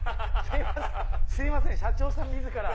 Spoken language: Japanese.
すいません社長さん自ら。